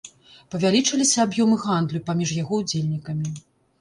Павялічыліся аб'ёмы гандлю паміж яго ўдзельнікамі.